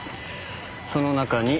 その中に。